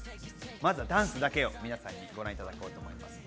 まずはダンスだけを皆さんにご覧いただきます。